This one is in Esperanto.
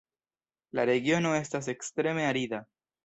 La regiono estas ekstreme arida.